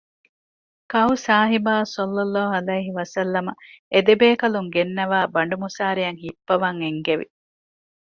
ކައުސާހިބާ ޞައްލަﷲ ޢަލައިހި ވަސައްލަމަ އެދެބޭކަލުން ގެންނަވައި ބަނޑުމުސާރަޔަށް ހިއްޕަވަން އެންގެވި